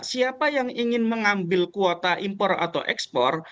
siapa yang ingin mengambil kuota impor atau ekspor